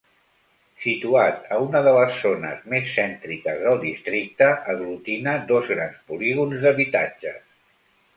Situat a una de les zones més cèntriques del districte, aglutina dos grans polígons d'habitatges.